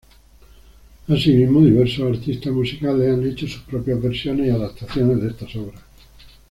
Asimismo diversos artistas musicales han hecho sus propias versiones y adaptaciones de estas obras.